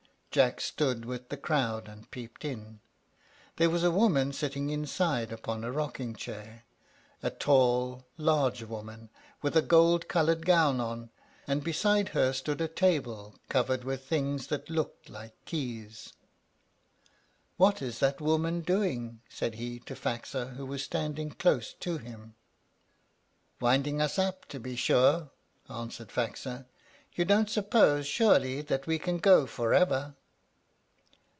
Jack stood with the crowd, and peeped in. There was a woman sitting inside upon a rocking chair, a tall, large woman, with a gold colored gown on, and beside her stood a table, covered with things that looked like keys. "What is that woman doing?" said he to Faxa, who was standing close to him. "Winding us up, to be sure," answered Faxa. "You don't suppose, surely, that we can go forever?"